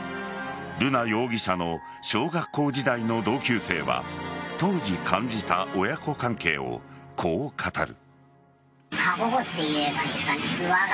瑠奈容疑者の小学校時代の同級生は当時感じた親子関係をこう語る。